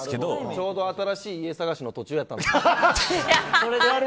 ちょうど新しい家探しの途中やったんですよ。